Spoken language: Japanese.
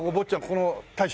ここの大将？